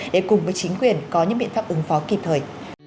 để cùng với chính quyền có những biện pháp ứng phó kịp thời